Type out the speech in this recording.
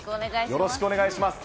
よろしくお願いします。